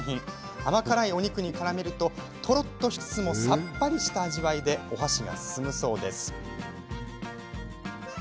甘辛いお肉にからめるととろっとしつつもさっぱりした味わいでお箸が進むそうです。